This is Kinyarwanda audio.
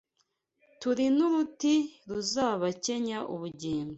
Turi n’uruti ruzabakenya ubugingo